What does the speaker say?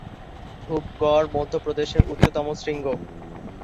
ধূপগড় মধ্যপ্রদেশের উচ্চতম শৃঙ্গ।